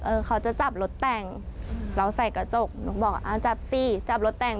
เขาจะจับรถแต่งเราใส่กระจกหนูบอกอ่าจับสิจับรถแต่ง